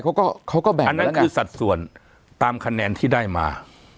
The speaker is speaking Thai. เขาก็เขาก็แบ่งอันนั้นคือสัดส่วนตามคะแนนที่ได้มา